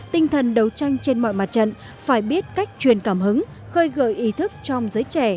tinh thần đấu tranh trên mọi mặt trận phải biết cách truyền cảm hứng khơi gợi ý thức trong giới trẻ